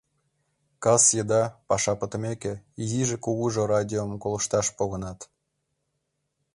Кас еда, паша пытымеке, изиже-кугужо радиом колышташ погынат.